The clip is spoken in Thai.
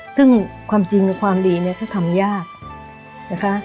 ซึ่งความจริงความดีเนี่ยก็ทำยากนะคะ